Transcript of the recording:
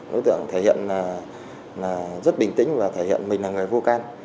đối tượng thể hiện là rất bình tĩnh và thể hiện mình là người vô can